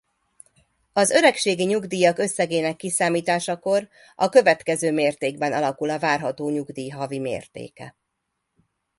Az öregségi nyugdíjak összegének kiszámításakor a következő mértékben alakul a várható nyugdíj havi mértéke.